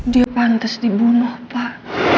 dia pantas dibunuh pak